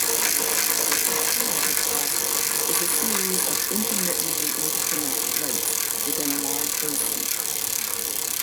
The Alcoota deposit is a series of intermittently interconnected lakes within a large basin.